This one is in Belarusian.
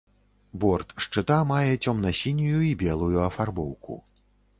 Борт шчыта мае цёмна-сінюю і белую афарбоўку.